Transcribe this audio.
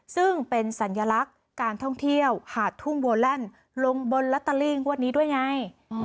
ซึ่งเป็นสัญลักษณ์การท่องเที่ยวหาดทุ่งวัวแหล่นลงบนละตะลิงอวดนี้ด้วยไง